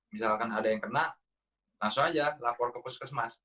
misalkan ada yang kena langsung aja lapor ke puskesmas